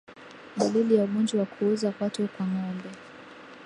Dalili ya ugonjwa wa kuoza kwato kwa ngombe